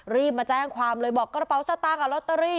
รีบมาแจ้งความเลยบอกกระเป๋าสตางค์กับลอตเตอรี่